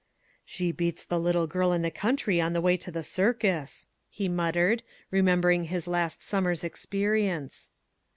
" She beats the little girl in the country on the way to the circus !" he muttered, remem bering his last summer's experience.